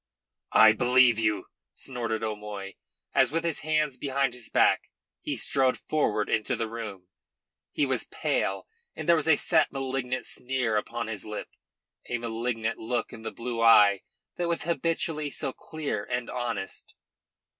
"I believe you," snorted O'Moy, as with his hands behind his back he strode forward into the room. He was pale, and there was a set, malignant sneer upon his lip, a malignant look in the blue eyes that were habitually so clear and honest.